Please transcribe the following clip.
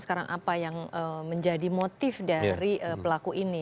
sekarang apa yang menjadi motif dari pelaku ini